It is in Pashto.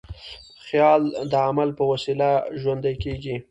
خیال د عمل په وسیله ژوندی کېږي.